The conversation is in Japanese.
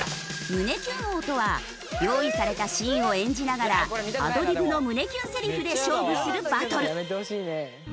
胸キュン王とは用意されたシーンを演じながらアドリブの胸キュンセリフで勝負するバトル。